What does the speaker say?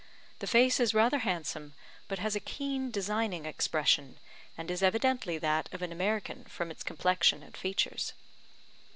The face is rather handsome, but has a keen, designing expression, and is evidently that of an American, from its complexion and features.